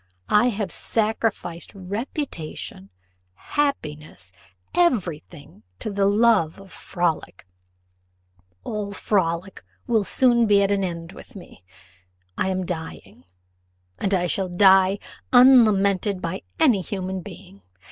I have sacrificed reputation, happiness, every thing to the love of frolic: all frolic will soon be at an end with me I am dying and I shall die unlamented by any human being.